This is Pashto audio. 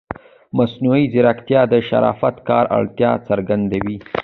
مصنوعي ځیرکتیا د شفاف کار اړتیا څرګندوي.